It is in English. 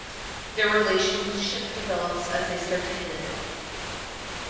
Their relationship develops as they start to hit it off.